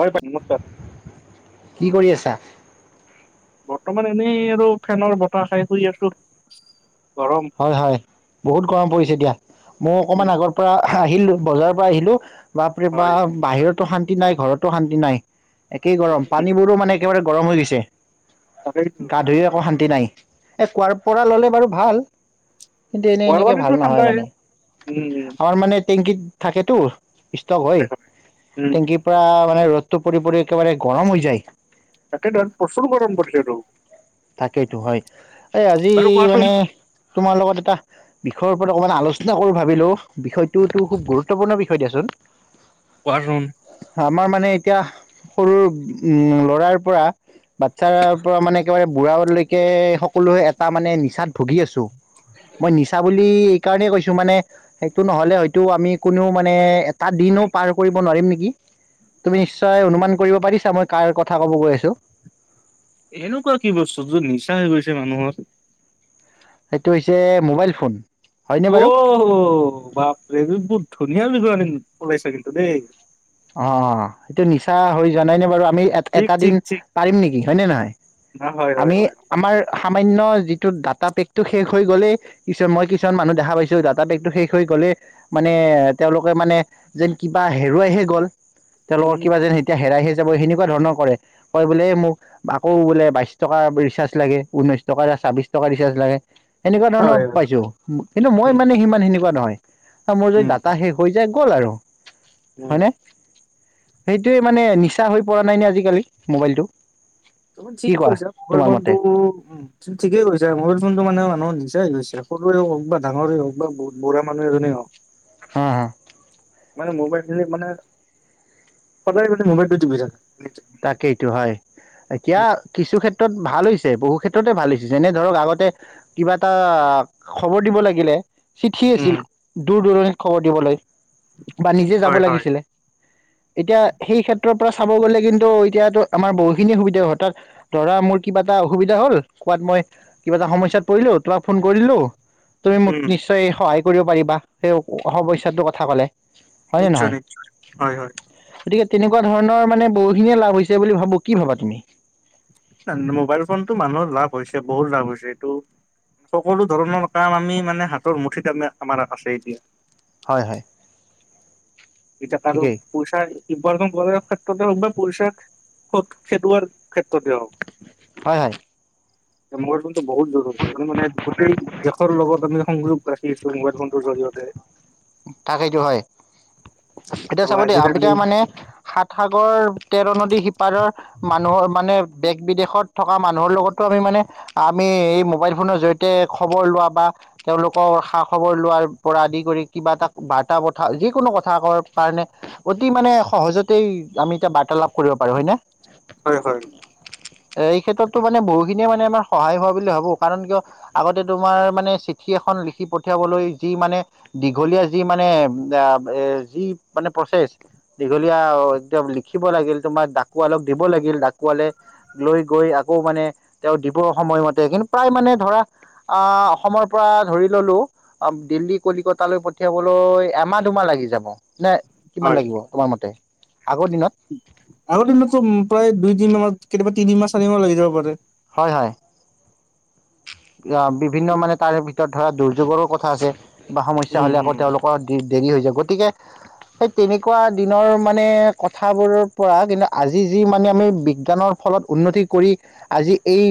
হয়, বা নমস্কাৰ। কি কৰি আছা? বৰ্তমান, এনেই আৰু ফেনৰ বতাহ খাই শুই আছো। গৰম হয়, হয়, বহুত গৰম পৰিছে দিয়া। ময়ো উম অকণমান আগৰ পৰা আহিলো, বজাৰৰ পৰা আহিলো বাপৰে হয় বাপ বাহিৰতো শান্তি নাই, ঘৰতো শান্তি নাই। একেই গৰম, তাকেই। পানীবোৰো মানে উম, একেবাৰে গৰম হৈ গৈছে। তাকেইতো গা ধুইও একো আকৌ শান্তি শান্তি নাই। এই কোৱাৰ পৰা ল'লে বাৰু ভাল। কিন্তু এনেই খোৱাৰ এনেকে ভাল পানীতো নহয় ঠাণ্ডাই মানে, উম আমাৰ মানে টেংকিত থাকেতো, ষ্টক হয়। টেংকীৰ পৰা মানে ৰ'দ টো পৰি, পৰি একেবাৰে গৰম হৈ যায়। তাকেটো, প্ৰচুৰ গৰম পৰিছেতো। তাকেইটো হয়, এই আজি বাৰু কোৱাচোন মানে তোমাৰ লগত এটা বিষয়ৰ ওপৰত অকমান আলোচনা কৰো ভাবিলো। বিষয়টোতো খুব গুৰুত্বপূৰ্ণ বিষয় দিয়াচোন। কোৱাচোন। আমাৰ মানে এতিয়া সৰুৰ উম' ল'ৰাৰ পৰা বাচ্ছাৰ পৰা মানে একেবাৰে বুঢ়ালৈকে সকলোৱে এটা মানে নিচাত ভুগি আছোঁ। মই নিচা বুলি সেইকাৰণেই কৈছো মানে, সেইটো নহ'লে হয়তো আমি কোনেও মানে এটা দিনো পাৰ কৰিব নোৱাৰিম নেকি। তুমি নিশ্চয় অনুমান কৰিব পাৰিছা, মই কাৰ কথা ক'ব গৈ আছোঁ। এনেকুৱা কি বস্তু য'ত নিচা হৈ গৈছে মানুহৰ। সেইটো হৈছে মোবাইল ফোন। হয়নে বাৰু অ' বাপৰে! বুত ধুনীয়া বিগণী ওলাইছে কিন্তু দেই। অ' অ' সেইটো নিচা হৈ যোৱা নাই নে বাৰু। আমি ঠিক এটা ঠিক দিন ঠিক পাৰিম নেকি হয়নে নহয়? হয় হয় আমি হয় আমাৰ সামান্য ডাটাপেকটো শেষ হৈ গ'লে, কিছু মই কিছুমান মানুহ দেখা পাইছোঁ। ডাটাপেকটো শেষ হৈ গ'লে মানে, তেওঁলোকে মানে যেন কিবা হেৰুৱাইহে গ'ল, তেওঁলোকৰ উম কিবা যেন এতিয়া হেৰাইহে হেনেকুৱা ধৰণৰ কৰে কয় বোলে মোক আকৌ বোলে বাইশ টকা ৰিচাৰ্জ লাগে, ওনৈশ টকা। ছাব্বিশ টকা ৰিচাৰ্জ লাগে, সেনেকুৱা ধৰণৰ হয় হয় পাইছো। কিন্তু মই উম মানে সিমান সেনেকুৱা নহয়। মোৰ যদি উম ডাটা শেষ হৈ যায় গ'ল আৰু। উম। হয়নে সেইটোৱে মানে, নিচা হয় পৰা নাই নে আজিকালি মোবাইলটো? তুমি কি ঠিক কোৱা কৰিছা, মোবাইল তোমাৰ মতে? ফোনটো উম ঠিকেই কৰিছা মোবাইল ফোনটো মানে মানুহ নিচাই হৈ গৈছে সৰুৰে হওক বা ডাঙৰেই হওক বা বহুত বুঢ়া মানুহ এজনে হওক। হ হ। মানে মোবাইল [unintelligible] মানে সদায় মানে মোবাইলটো টিপি থাকে। তাকেইটো হয় এতিয়া কিছু ক্ষেত্ৰত ভাল হৈছ বহু ক্ষেত্ৰতে ভাল হৈছে যেনে ধৰক আগতে কিবা এটা খবৰ দিব লাগিলে। চিঠি আছিল উম দূৰ দূৰণিত খবৰ দিবলৈ। বা নিজে যাব হয় হয় লাগিছিলে এতিয়া সেই ক্ষেত্ৰৰ পৰা চাব গলে কিন এতিয়াতো আমাৰ বহু খিনি সুবিধা হয় তাত ধৰা মোৰ কিবা এটা অসুবিধা হ'ল কোৱাত মই কিবা সমস্যাত পৰিলো তোমাক ফোন কৰিলো। তুমি মোক উম নিশ্চয় সহায় কৰিব পাৰিবা সেই সমস্যাটো কথা কলে। হয়নে নহয়? নিশ্চয় নিশ্চয় হয় হয়। গতিকে তেনেকুৱা ধৰণৰ মানে বহুখিনিয়ে লাভ হৈছে বুলি ভাবো কি ভাবা তুমি? নাই ন মোবাইল ফোনটো মানুহৰ লাভ হৈছে বহুত লাভ হৈছে এইটো। সকলো ধৰণৰ কাম আমি মানে হাতৰ মুঠিত আম আমাৰ আছে এতিয়া। হয় - হয়। এতি কাৰো ঠিকেই। পইচা ইবাৰন ক্ৰ সময় পচা খেদোৱাৰ ক্ষেত্ৰতে হও। হয় - হয়। মইটো বহুত জৰুৰী এনে মানে গোটেই দেশৰ লগত আমি সংয ৰাখিছো মোবাইল ফোনটোৰ জৰিয়তে। থাকেইটো হয়। এতিয়া ত' চাব দিয়া আজিকালি এতিয়া মানে সাত সাগৰ তেৰ নদী সিপাৰৰ মানুহৰ মানে দেশ বিদেশত থকা মানুহৰ লগতো আমি মানে। আমি এই মোবাইল ফোনৰ জৰিয়তে খবৰ লোৱা বা তেওলোকৰ সা খবৰ লোৱাৰ পৰা আদি কৰি। কিবা এটা বাৰ্তা বথা যিকোনো কথা কৰ কাৰণে অতি মানে সহজতেই আমি এতিয়া বাৰ্তালাপ কৰিব পাৰো হয় ন। হয় - হয়। এই ক্ষেত্ৰতো মানে বহুখিনিয়ে মানে আমাৰ সহায় হোৱা বুলি ভাবো কাৰণ কিয় আগতে তোমাৰ মানে। পুঠি এখন লিখি পঠিয়াবলৈ যি মানে দীঘলীয়া যি মানে যি মানে প্ৰচেছ দীঘলীয়া এতি লিখিব লাগিল তোমাৰ ডাকুৱালক দিব লাগিল ডাকুৱালে। লৈ গৈ আকৌ মানে তেও দিবপ সময়মতে কিন্তু প্ৰায় মানে ধৰা আহ অসমৰ পৰা ধৰি ললো অ, দিল্লী কলিকতালৈ পঠিয়াবলৈ এমাহ দুমাহ লাগি যাব। নে কিমান হয়। লাগিব তোমাৰ মতে। আগৰ দিনত আগৰ দিনতো প্ৰায় দুইদিন ম কেতিয়াবা তিনিমাহ চাৰি মাহ লাগি যাব পাৰে। হয় - হয় বিভিন্ন মানে তাৰে ক ধৰা দুৰ্যোগৰো কথা আছে বা সমস্যা উম হ'লে আকৌ উম তেওলোকৰ দেৰি হৈ যায় গতিকে। সেই তেনেকুৱা দিনৰ মানে কথাবোৰৰ পৰা কিন্তু আজি যি মানে আমি বিজ্ঞানৰ। ফলত উন্নতি কৰি আজি। এই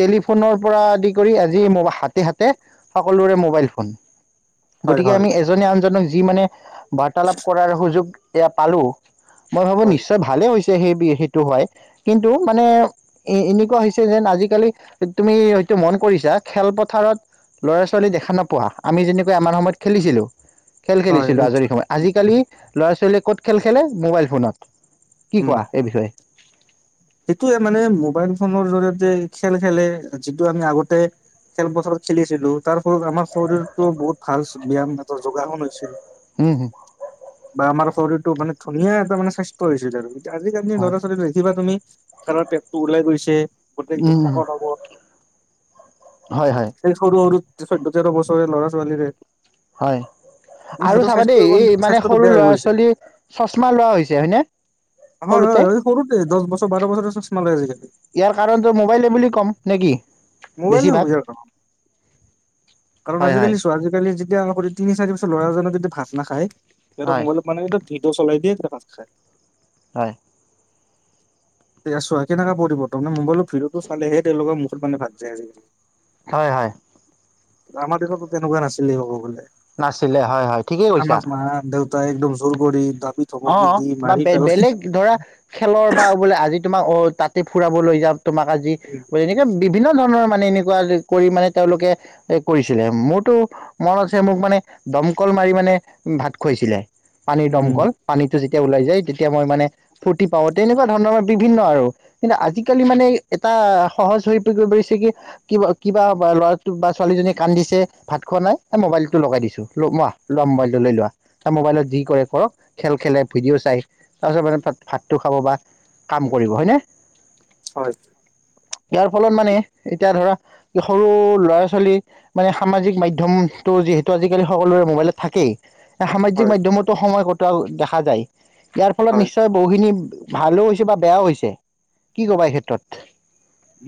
টেলিফোনৰ পৰা আদি কৰি আজি মব হাতে - হাতে সকলোৰে মোবাইল ফোন। উম [inaudible] গতিকে আমি এজনে আনজনক যি মানে বাৰ্তালাপ কৰাৰ সুযোগ এয়া পালো। মই ভাবো হয় নিশ্চয় ভালে হৈছে সেই সেইটো হয় কিন্তু মানে এ - এনেকুৱা যেন আজিকালি তুমি হয়তটো মন কৰিছা খেলপথাৰত। ল'ৰা ছোৱালী দেখা নপোৱা আমি যেনেকৈ আমাৰ সময়ত খেলিছিলো। খেল হয় খেলিছিলো আজৰি নিশ্চয় সময়ত আজিকালি ল'ৰা ছোৱালীয়ে ক'ত খেল খেলে মোবাইল ফোনত। কি উম কোৱা এই বিষয়ে? সেইটোয়ে মানে মোবাইল ফোনৰ জৰিয়তে খেল খেলে যিটো আমি আগতে খেল বছৰত খেলিছিলো তাৰ ফলত আমাৰ শৰীৰতো বহুত ভাল ব্যায়াম এ যোগাসন হৈছিল। উম হম বা আমাৰ শৰীৰটো মানে ধুনীয়া এটা মানে স্বাস্থ্য হৈছিল আৰু। আজিকালি হয় ল'ৰা ছোৱালী দেখিবা তুমি ধাৰৰ পেটতটো ওলাই গৈছে। গোটেই উম উম প্ৰশ্নখনাব হয় হয় সেই সৰু- সৰু চ্যধ তেৰ বছৰৰে ল'ৰা ছোৱালীৰে হয়। মানে আৰু সিহঁতৰ চাবা দেই স্বাস্থ্যৰ এই মানে স্বাস্থ্যটো সৰু বেয়া হৈ ল'ৰা গৈছে ছোৱালী চচমা লোৱা হৈছে হয়নে। হয় - সৰুতে হয় - হয় সৰুতে দহ বছৰ বাৰ বছৰ চ মালে আজিকালি। ইয়াৰ কাৰণটো মোবাইলে বুলি ক'ম নেকি মোবাইলে হ'ব বেছিভাগ। ইয়াৰ কাৰণ কাৰণ হয় হয় আজিকালি চোৱা আজিকালি যেতিয়া কৰি তিনি চাৰি বছৰ ল'ৰাজনে যদি ভাত নাখায় সিহতক হয় মোবাইলত মানে ভিডিঅ' চলাই দিয়ে তে ভাত খায়। হয়। তেয়া চ কেনেুৱা পৰিবৰ্ত মে মোবাইলত ভিৰতো চালেহে তেওলোকৰ মুত মানে ভাত যায় আজিকালি। হয় হয় আমাৰ দিনতো তেনেকুৱা নাছিলেই ক'ব গ'লে। নাছিলে হয় - হয় ঠিকেই কৈছা। তাই একদম চোৰ কৰি তাত অ' বা বেলেগ ধৰা খেলৰ বা বোলে আজি তোমাক অ' তাতে ফুৰাব লৈ যাম তোমাক আজি তেনেকে বিভিন্ন ধৰণৰ এনেকুৱা মানে তেওঁলোকে কৰিছিলে মোৰতো মন আছে মোক মানে দমকল মাৰি মানে ভাত খুৱাইছিলে পানীৰ দমকল। উম যেতিয়া ওলাই যায় তেতিয়া মই মানে ফূৰ্তি পাওঁ তেনেকুৱা ধৰণৰ বিভিন্ন আৰু কিন্তু আজিকালি মানে এটা সহজ হৈ পৰি পাৰিছে কি কিবা কিবা ল'ৰা বা ছোৱালীজনীয়ে কান্দিছে ভাত খোৱা নাই মোবাইল টো লগাই দিছোঁ ম লোৱা মোবাইলটো লৈ লোৱা মোবাইলত যি কৰে কৰক খেল খেলে ভিডিঅ' চাই তাৰপিছত মানে তাত ভাতটো খাব বা কাম কৰিব হয়নে। হয়। ইয়াৰ ফলত মানে এতিয়া ধৰা সৰু ল'ৰা ছোৱালী মানে সামাজিক মাধ্যম তো যিহেতু আজিকালি সকলোৰে মোবাইলত থাকেই সামাজিক হয় মাধ্যমতো সময় কটোৱা দেখা যায় ইয়াৰ ফলত হয় নিশ্চয় বহুখিনি ভালো হৈছে বা বেয়াও হৈছে কি কবা এই ক্ষেত্ৰত?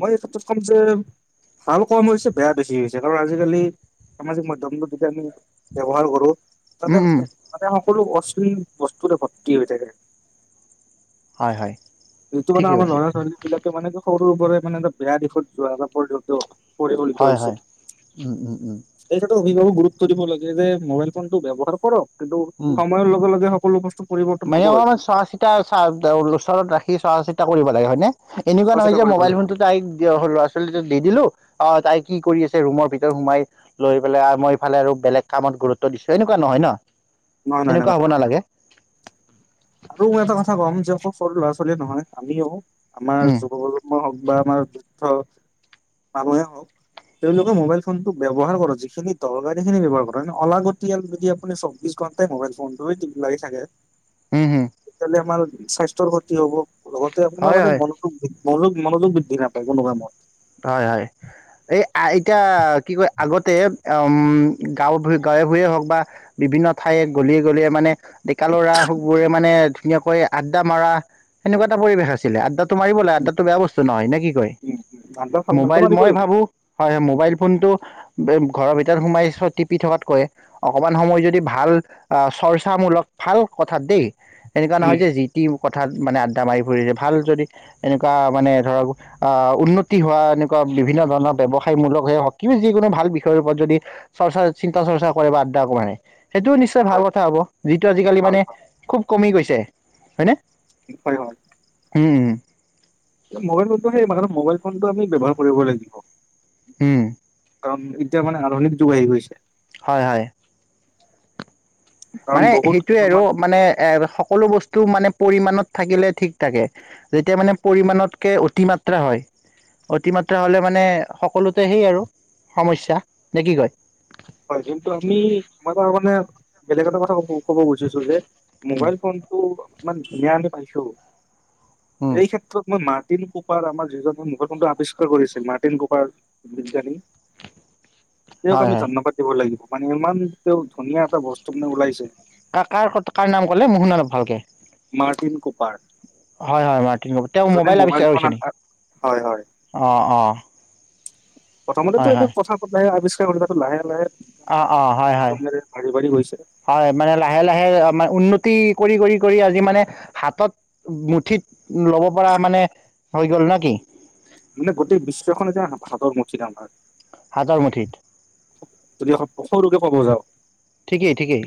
মই এই ক্ষেত্ৰত ক'ম যে ভাল কম হৈছে বেয়া বেছি হৈছে কাৰণ আজিকালি সামাজিক মাধ্যমটো যেতিয়া আমি ব্যৱহাৰ কৰোঁ তাতে উম উম তাতে সকলো অশীল বস্তুৰে ভৰ্তি হৈ থাকে। হয় হয় যিটো মানে ঠিকেই আমাৰ কৈছে ল'ৰা ছোৱালী বিলাকে মানে কি সৰুৰ পৰাই মানে এটা বেয়া দিশত যোৱা এটা পৰিবেশত পৰিগণিত হয় হৈছে। হয় উম উম উম তাৰ পিছত অভিভাৱক গুৰুত্ব দিব লাগে যে মোবাইল ফোন টো ব্যৱহাৰ কৰক কিন্তু সময়ৰ লগে লগে সকলো বস্তু পৰিৱৰ্তন মায়েও মানে হ'বই অকমান চোৱা চিতা ওচৰত ৰাখি চোৱা চিতা কৰিব লাগে হয় নে? এনেকুৱা চোৱা নহয় চিতা যে কৰিব মোবাইল লাগে ফোনটো তাইক ল'ৰা ছোৱালীটোক দি দিলো অ' তাই কি কৰি আছে ৰুমৰ ভিতৰত সোমাই লৈ পেলাই আৰু মই ইফালে আৰু বেলেগ কামত গুৰুত্ব দিছো এনেকুৱা নহয় ন। নহয় নহয় তেনেকুৱা এনেকুৱা হ'ব নালাগে। আৰু মই এটা কথা ক'ম যে অকল সৰু ল'ৰা ছোৱালীয়ে নহয় আমিও আমাৰ উম যুৱ প্ৰজন্মই হওক বা আমাৰ জুস্থ মানুহে হওক। তেওঁলোকে মোবাইল ফোনটো ব্যৱহাৰ কৰ যিখিনি দৰকাৰ সেইখিনি ব্যৱহাৰ কৰক অলাগতিয়াল যদি আপুনি চ মইবাইল ফোনটোৱে টি লাগি থাকে। উম - উম। তেতিয়াহ'লে আমাৰ স্বাস্থ্যৰ ক্ষতি হ'ব লগতে আপোনাৰ হয় মানে হয় মনোযোগ মনোগ মনোযোগ বৃদ্ধি নাপায় কোনোবাই মত হয়- হয় এই আইতা কি কয় আগতে উম গাঁও ভূ গাঁও ভূৰে হওক বা বিভিন্ন ঠাই গলিয়ে গলিয়ে মানে ডেকা ল'ৰা হুকবোৰে মানে ধুনীয়াকৈ আড্ডা মৰা সেনেকুৱা এটা পৰিবেশ আছিলে, আড্ডাত মাৰিব লাগে আদ্দা টো বেয়া বস্ত্ত নহয় নে কি কয়? ধান্দা ধান্দা মোবাইল মাৰিব মই ভাবো মোবাইল ফোনটো ঘৰৰ ভিতৰত সোমাই টিপি থকাতকৈ অকমান সময় যদি ভাল আ চৰ্চামূলক ভাল কথাত দেই এনেকুৱা লাগিব নহয় যে যি টি কথাত মানে আড্ডা মাৰি ফুৰিছে ভাল যদি এনেকুৱা মানে ধৰা উন্নত হোৱা এনেকুৱা বিভিন্ন ধৰণৰ ব্যৱসায়মূলক স হিব যিকোনো ভাল বিষয়ৰ ওপৰত যদি চৰ্চা চিন্তা চ চৰ্চা কৰে বা আদ্দা কৰে সেইটোও নিশ্চয় ভাল হয় কথা হ'ব যিটো আজিকালি ভাল মানে ভাল খুব কমি গৈছে, হয়নে? হয়-হয় উম মোবাইল ফোনটো সেই মান মোবাইল ফোনটো আমি ব্যৱহাৰ কৰিব লাগিব। উম কাৰণ এতিয়া মানে আধুনিক যুগ আহি গৈছে। হয় - হয়। কাৰণ মানে বহুত সেইটোৱে আৰু। কিছুমান মানে এ সকলো বস্তু মানে পৰিমাণত থাকিলে ঠিক থাকে। যেতিয়া মানে পৰিমাণতকে অতিমাত্ৰা হয় অতিমাত্ৰা হ'লে মানে সকলোতে সেই আৰু সমস্যা, নে কি কয়? হয় কিন্তু আমি আমাৰ ত মানে বেলেগ এটা কথা কবো ক'ব খুজিছো যে মোবাইল ফোনটো ইমান ধুনীয়া আমি পাইছোঁ উম এই ক্ষেত্ৰত মই মাক টিন কুপাৰ আমাৰ যিজনে মুখ মণ্ডল আৱিষ্কাৰ কৰিছিল মাৰ্টিন কুপাৰ বিজ্ঞানী তেওঁক হয় আমি হয় ধন্যবাদ দিব লাগিব মানে ইমান তেওঁক ধুনীয়া এটা বস্তু মানে ওলাইছে কা কাৰ কাৰ নাম ক'লে মই শুনা নাই ভালকে মাৰ্টিন কুপাৰ হয়-হয় মাৰ্টিন কুপাৰ তেওঁ যোনে মোবাইল আৱিষ্কাৰ ফোন কৰিছে নেকি, আ- হয় হয় অ', -অ', প্ৰথমতেটো হয় এনে হয় কথা পতাই আৱিষ্কাৰ কৰি তাতো লাহে লাহে বিজ্ঞানৰ অ', - অ', মাধ্যমেৰে বাঢ়ি বাঢ়ি গৈছে হয়-হয়-হয় মানে লাহে-লাহে মানে উন্নতি কৰি-কৰি-কৰি আজি মানে হাতত মুঠিত ল'ব পৰা মানে হৈ গ'ল নাকি মানে গোটেই বিশ্বখনে যে হাতৰ মুঠিত আমাৰ। হাতৰ মুঠিত তুমি সৰুকে ক'ব যাওঁ ঠিকেই-ঠিকেই।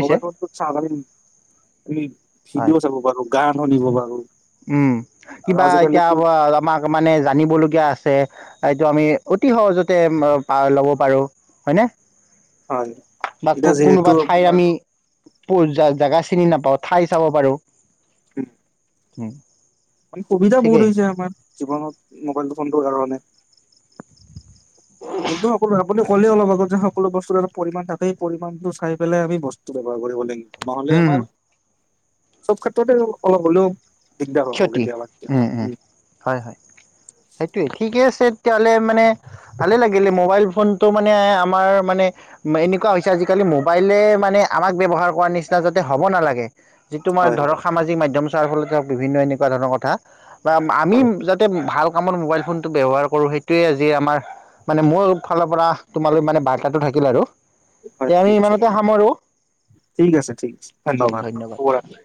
মোবাইল ফোনটোত চাওক আমি হয় ভিডিঅ' চাব পাৰো, গান শুনিব পাৰোঁ উম কিবা এতিয়া আমাক মানে জানিবলগীয়া আছে এইটো আমি অতি সহজতে ল'ব পাৰো হয়নে হয় বা ক এতিয়া যিহেতু কোনোবা ঠাইৰ আপোনাৰ আমি জোগা চিনি নাপাওঁ ঠাই চাব পাৰোঁ [inaudible] উম মানে সুবিধা বহুত হৈছে আমাৰ জীৱনত মোবাইল ফোনটোৰ কাৰণে কিন্তু সকলো আপুনি ক'লে অলপ আগত যে সকলো বস্তু এটা পৰিমাণ থাকে সেই পৰিমাণটো চাই পেলাই আমি বস্তু ব্যৱহাৰ কৰিব লাগিব। নহ'লে হম, আমাৰ হম, চব ক্ষেত্ৰতে অলপ হ'লেও দিগদাৰ হ'ব ক্ষতি কেতিয়াবা কেতিয়াবা উম-উম, উম হয়-হয় সেইটোৱে ঠিকে আছে তেতিয়াহ'লে মানে ভালে লাগিলে মোবাইল ফোনটো মানে আমাৰ মানে এনেকুৱা হৈছে আজিকালি মোবাইলে মানে আমাক ব্যৱহাৰ কৰাৰ নিচিনা যাতে হ'ব নালাগে যিটো মই হয় ধৰক হয় সামাজিক মাধ্যম চোৱাৰ ফলতে হওক বিভিন্ন এনেকুৱা ধৰণৰ কথা বা আমি হয় হয় যাতে ভাল কামত মোবাইল ফোনটো ব্যৱহাৰ কৰো সেইটোৱে আজি আমাৰ মানে মোৰ ফালৰ পৰা তোমালৈ মানে বাৰ্তাটো থাকিল আৰু হয় এতিয়া আমি নিশ্চয় ইমানতে সামৰো। ঠিক আছে ঠিক আছে ধন্যবাদ শুভৰাত্ৰি।